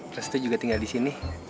resto juga tinggal di sini